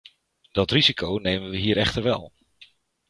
Dat risico nemen we hier echter wel.